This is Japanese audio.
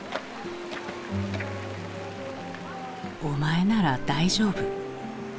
「お前なら大丈夫」。